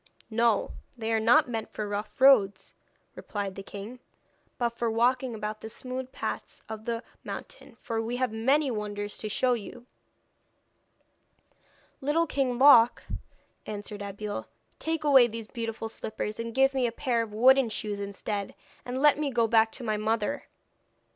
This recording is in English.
'No, they are not meant for rough roads,' replied the king, 'but for walking about the smooth paths of the mountain, for we have many wonders to show you.' 'Little King Loc,' answered Abeille, 'take away these beautiful slippers and give me a pair of wooden shoes instead, and let me go back to my mother.'